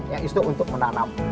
ya itu untuk menanam